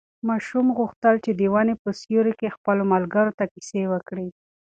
ماشوم غوښتل چې د ونې په سیوري کې خپلو ملګرو ته کیسې وکړي.